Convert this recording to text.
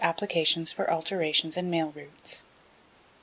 Applications for alterations in Mail Routes.